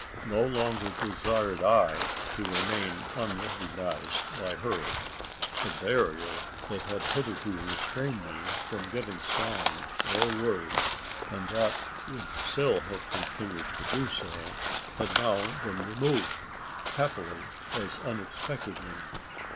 No longer desired I to remain unrecognised by her. The barrier that had hitherto restrained me from giving sign or word and that would still have continued to do so had now been removed, happily as unexpectedly.